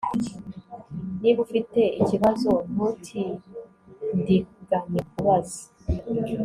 Niba ufite ikibazo ntutindiganye kubaza